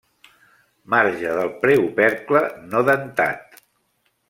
Marge del preopercle no dentat.